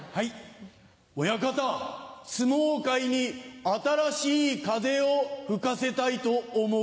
親方相撲界に新しい風を吹かせたいと思うでごんす。